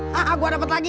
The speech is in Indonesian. hahaha gua dapet lagi